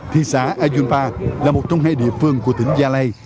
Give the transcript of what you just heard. thị xã ayunpa là một trong hai địa phương của tỉnh gia lai